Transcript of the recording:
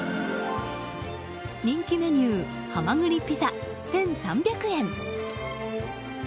人気メニューはまぐりピザ、１３００円。